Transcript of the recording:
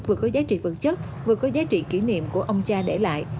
vừa có giá trị vật chất vừa có giá trị kỷ niệm của ông cha để lại